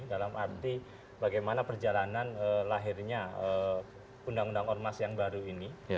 dalam arti bagaimana perjalanan lahirnya undang undang ormas yang baru ini